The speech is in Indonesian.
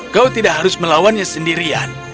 kau tidak harus melawannya sendirian